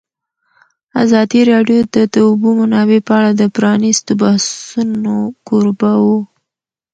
ازادي راډیو د د اوبو منابع په اړه د پرانیستو بحثونو کوربه وه.